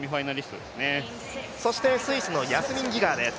そしてスイスのヤスミン・ギガーです。